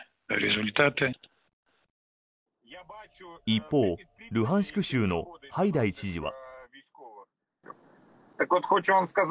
一方、ルハンシク州のハイダイ知事は。